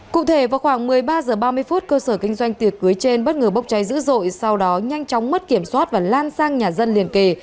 cụ thể vào khoảng một mươi ba h ba mươi phút cơ sở kinh doanh tiệc cưới trên bất ngờ bốc cháy dữ dội sau đó nhanh chóng mất kiểm soát và lan sang nhà dân liền kề